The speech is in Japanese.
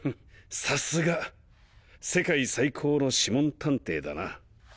さすが世界最高の諮問探偵だな。